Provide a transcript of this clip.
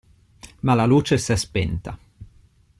Ma la luce s'è spenta.